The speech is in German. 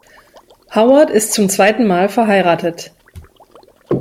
Howard ist zum zweiten Mal verheiratet.